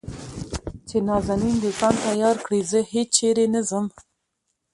چې نازنين د ځان تيار کړي زه هېچېرې نه ځم .